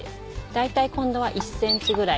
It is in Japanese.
だいたい今度は１ｃｍぐらい。